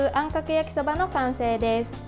焼きそばの完成です。